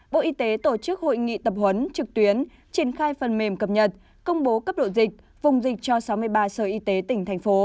bộ y tế tổ chức hội nghị tập huấn trực tuyến triển khai phần mềm cập nhật công bố cấp độ dịch vùng dịch cho sáu mươi ba sở y tế tỉnh thành phố